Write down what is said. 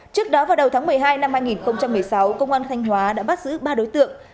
trước đó vào đầu tháng một mươi hai năm hai nghìn một mươi sáu công an thanh hóa đã bắt giữ ba đối tượng